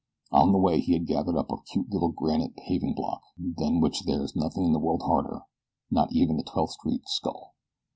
On the way he had gathered up a cute little granite paving block, than which there is nothing in the world harder, not even a Twelfth Street skull.